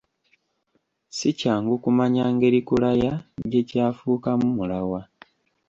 Si kyangu kumanya ngeri kulaya gye kyafuukamu mulawa.